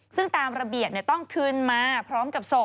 ซึ่งตามระเบียบต้องคืนมาพร้อมกับศพ